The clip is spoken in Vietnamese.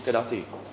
cái đó thì